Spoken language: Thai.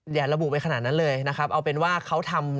อย่าระบุไปขนาดนั้นเลยนะครับเอาเป็นว่าเขาทำ